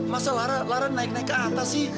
masa lara naik naik ke atas